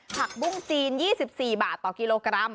ผักบุ้งจีน๒๔บาทต่อกิโลกรัม